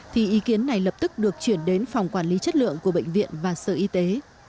thì ý kiến này lập tức được chuyển đến phòng quản lý chất lượng của bệnh viện và sở y tế